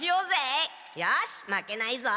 よしまけないぞ！